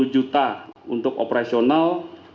sepuluh juta untuk operasional